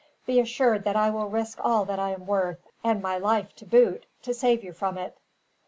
Be assured that I will risk all that I am worth, and my life, to boot, to save you from it."